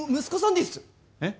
えっ？